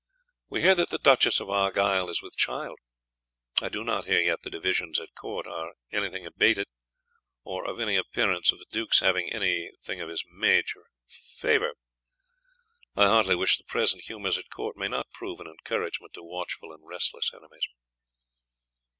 We hear that the Duchess of Argyle is wt child. I doe not hear yt the Divisions at Court are any thing abated or of any appearance of the Dukes having any thing of his Maj: favour. I heartily wish the present humours at Court may not prove an encouragmt to watchfull and restles enemies.